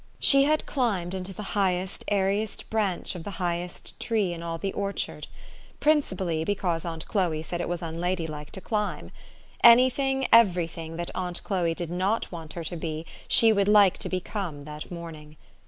She had climbed into the highest, airiest branch of the highest tree in all the orchard, principal!} 7 be cause aunt Chloe said it was unladylike to climb. Any thing, every thing, that aunt Chloe did not want her to be, she would like to become that morning.